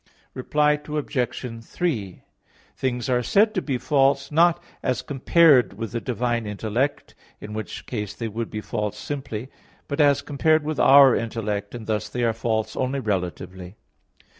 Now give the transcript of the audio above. Reply Obj. 3: Things are said to be false, not as compared with the divine intellect, in which case they would be false simply, but as compared with our intellect; and thus they are false only relatively.